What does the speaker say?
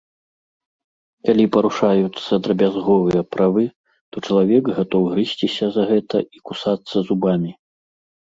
Калі парушаюцца драбязговыя правы, то чалавек гатоў грызьціся за гэта і кусацца зубамі.